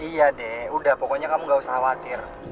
iya deh udah pokoknya kamu gak usah khawatir